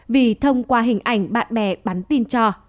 vì thông qua hình ảnh bạn bè bắn tin cho